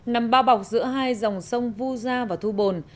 nằm bao bọc giữa hai dòng sông vu gia và thu bồn